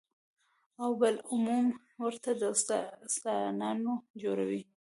او بالعموم ورته داستانونه جوړوي،